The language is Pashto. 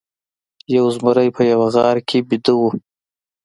یو زمری په یوه غار کې ویده و.